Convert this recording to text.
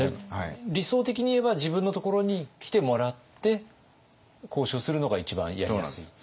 理想的に言えば自分のところに来てもらって交渉するのが一番やりやすい？